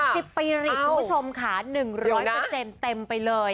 สีปีริทผู้ชมขา๑๐๐เต็มไปเลย